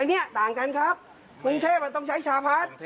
ไอ้เนี่ยต่างกันครับภูมิเทพฯมันต้องใช้ชาพัด